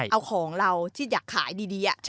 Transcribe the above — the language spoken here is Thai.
เอาของเราที่อยากขายดี